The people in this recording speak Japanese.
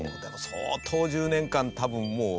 相当１０年間多分もう。